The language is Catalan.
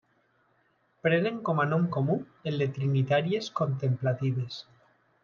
Prenen com a nom comú el de Trinitàries Contemplatives.